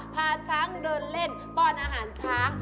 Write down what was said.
พาช้างเดินเล่นป้อนอาหารช้าง